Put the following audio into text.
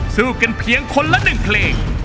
สู้กันเพียงคนละ๑เพลง